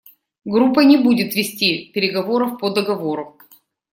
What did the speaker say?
Группа не будет вести переговоров по договору.